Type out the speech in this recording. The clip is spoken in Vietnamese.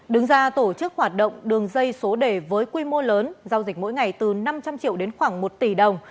đứng ra tổ chức hoạt động đường dây số đề với quy mô lớn giao dịch mỗi ngày từ năm trăm linh triệu đến khoảng một tỷ đồng